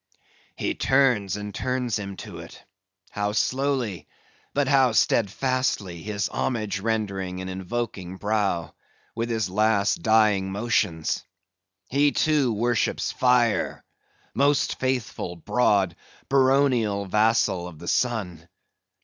"He turns and turns him to it,—how slowly, but how steadfastly, his homage rendering and invoking brow, with his last dying motions. He too worships fire; most faithful, broad, baronial vassal of the sun!